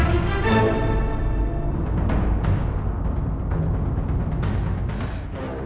pergi kamu dari sini